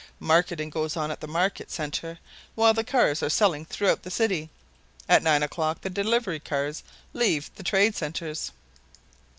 Marketing goes on at the market center while the cars are selling throughout the city. At nine o'clock the delivery cars leave the trade centers.